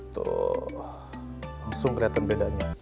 tuh langsung kelihatan bedanya